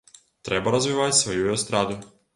Трэба развіваць сваю эстраду.